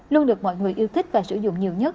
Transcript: luôn được mọi người yêu thích và sử dụng nhiều nhất